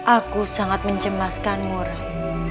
aku sangat mencemaskanmu rahim